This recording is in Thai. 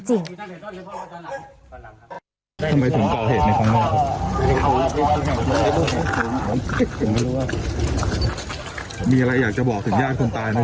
ทำไมสนเก่าเหตุในของแม่คุณ